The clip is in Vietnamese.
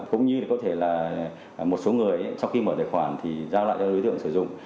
cũng như có thể là một số người sau khi mở tài khoản thì giao lại cho đối tượng sử dụng